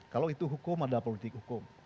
kalau itu hukum adalah politik hukum